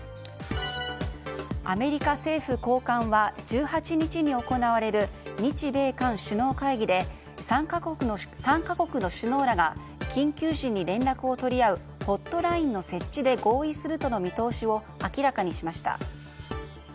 アメリカ政府高官は１８日に行われる日米韓首脳会議で３か国の首脳らが緊急時に連絡を取り合うホットラインの設置で合意するとの見通しを明らかにしました。